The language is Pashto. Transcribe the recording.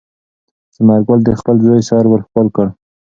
ثمر ګل د خپل زوی سر ور ښکل کړ.